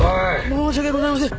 申し訳ございません！